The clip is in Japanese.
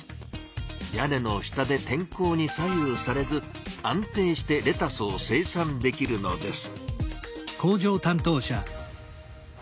屋根の下で天候に左右されず安定してレタスを生産できるのです。